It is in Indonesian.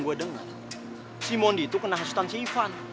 gue denger si moni itu kena hasutan si ivan